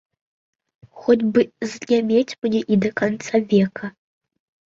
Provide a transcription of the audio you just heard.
Хоць бы занямець мне і да канца века!